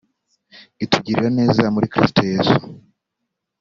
itugirira neza muri Kristo Yesu